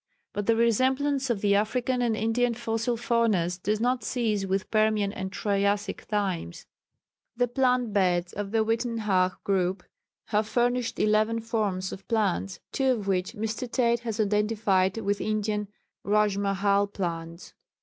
But the resemblance of the African and Indian fossil faunas does not cease with Permian and Triassic times. The plant beds of the Uitenhage group have furnished eleven forms of plants, two of which Mr. Tate has identified with Indian Rájmahál plants.